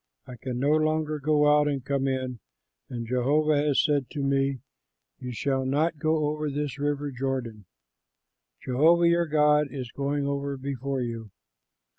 I can no longer go out and come in, and Jehovah has said to me, 'You shall not go over this river Jordan.' Jehovah your God is going over before you.